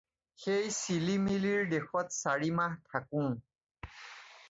সেই চিলি মিৰিৰ দেশত চাৰি মাহ থাকোঁ।